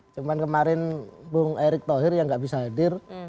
cuma kemarin bung erik thohir yang gak bisa hadir